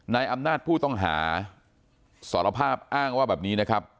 นายอำนาจผู้ต้องหาสารภาพอ้างว่าแบบนี้นะครับ